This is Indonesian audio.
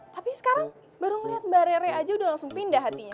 tapi sekarang baru ngeliat mbak rere aja udah langsung pindah hatinya